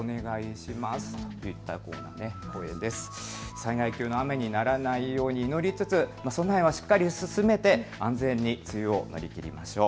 災害級の雨にならないよう祈りつつ備えはしっかり進めて安全に梅雨を乗りきりましょう。